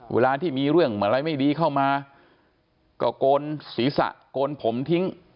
เวลาที่มีเรื่องอะไรไม่ดีเข้ามาก็โกนศีรษะโกนผมทิ้ง